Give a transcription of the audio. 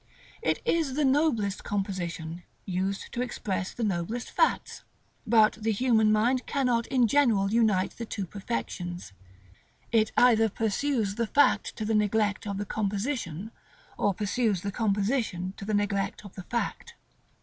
It is the noblest composition, used to express the noblest facts. But the human mind cannot in general unite the two perfections: it either pursues the fact to the neglect of the composition, or pursues the composition to the neglect of the fact.